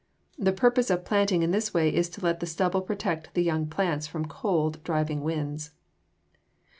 The purpose of planting in this way is to let the stubble protect the young plants from cold, driving winds.